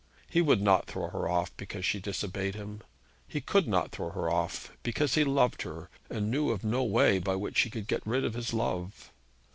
He would not throw her off, because she disobeyed him. He could not throw her off, because he loved her, and knew of no way by which he could get rid of his love.